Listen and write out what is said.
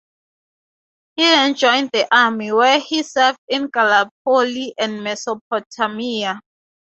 He then joined the army, where he served in Gallipoli and Mesopotamia.